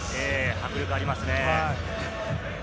迫力ありますね。